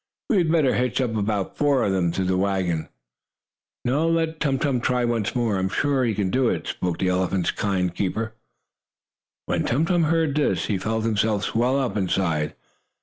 "We had better hitch about four of them to the wagon." "No, let Tum Tum try once more. I am sure he can do it," spoke the elephant's kind keeper. When Tum Tum heard this, he felt himself swell up inside.